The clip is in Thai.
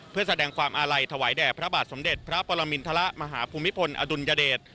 เพื่อแสดงความอาลัยถวายแด่พระบาทสมเด็จพระปรมินทรมาหาภูมิพลอดุลยเดช